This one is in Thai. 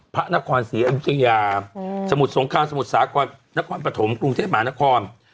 พระนครศรีอุทยาอืมสมุทรสงครามสมุทรสาหกว่านครปฐมกรุงเทพหมานคร